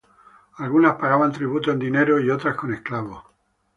Algunas pagaban tributo en dinero, y otras con esclavos.